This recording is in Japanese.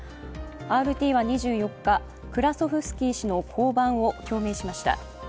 ＲＴは２４日、クラソフスキー氏の交番を表明しました。